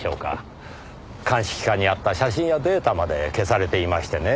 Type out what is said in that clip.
鑑識課にあった写真やデータまで消されていましてね。